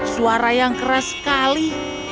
suara yang keras sekali